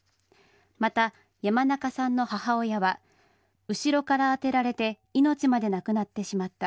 また、山中さんの母親は後ろから当てられて命までなくなってしまった。